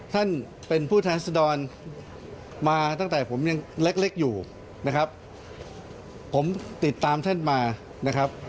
ท่านเป็นผู้แทนรัศดรมาตั้งแต่ผมยังเล็กอยู่นะครับผมติดตามท่านมานะครับ